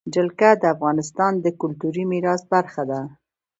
جلګه د افغانستان د کلتوري میراث برخه ده.